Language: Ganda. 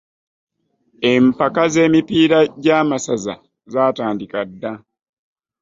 empaka z'emipiira gy'amasaza zaatandika dda.